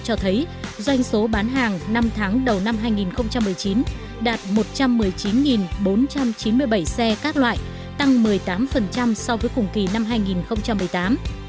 cho thấy doanh số bán hàng năm tháng đầu năm hai nghìn một mươi chín đạt một trăm một mươi chín bốn trăm chín mươi bảy xe các loại tăng một mươi tám so với cùng kỳ năm hai nghìn một mươi tám